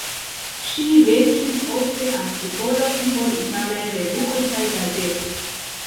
Ŝi verkis ofte artikolojn por italaj revuoj kaj gazetoj.